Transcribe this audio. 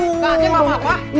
enak banget sih sealy